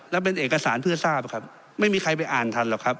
แล้วเป็นเอกสารเพื่อทราบครับไม่มีใครไปอ่านทันหรอกครับ